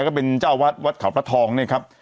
แล้วก็เป็นเจ้าวัดวัดเขาพระทองเนี่ยครับ